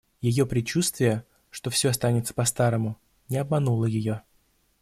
Ее предчувствие, что всё останется по-старому, — не обмануло ее.